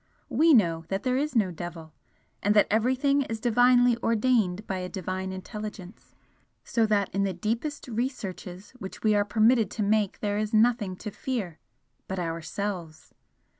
WE know that there is no devil, and that everything is divinely ordained by a Divine Intelligence, so that in the deepest researches which we are permitted to make there is nothing to fear but Ourselves!